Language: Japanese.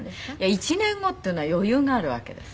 １年後っていうのは余裕があるわけです。